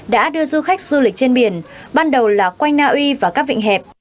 đã đưa du khách du lịch trên biển ban đầu là quanh na uy và các vịnh hẹp